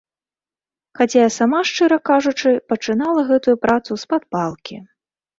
Хаця я сама, шчыра кажучы, пачынала гэтую працу з-пад палкі.